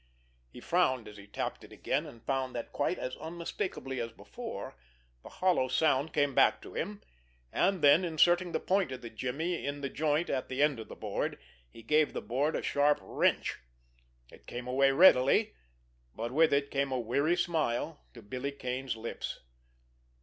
He frowned as he tapped it again and found that, quite as unmistakably as before, the hollow sound came back to him; and then, inserting the point of the jimmy in the joint at the end of the board, he gave the board a sharp wrench. It came away readily, but with it came a weary smile to Billy Kane's lips.